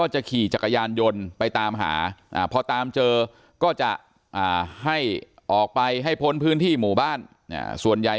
ให้ออกไปให้พ้นพื้นที่หมู่บ้านส่วนใหญ่